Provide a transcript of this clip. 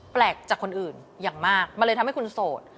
แปลกจากคนอื่นอย่างมากมันเลยทำให้คุณโสด